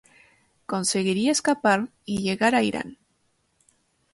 Conseguiría escapar y llegar a Irán.